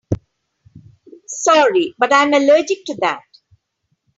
Sorry but I'm allergic to that.